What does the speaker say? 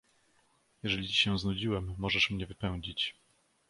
"Jeżeli ci się znudziłem, możesz mnie wypędzić."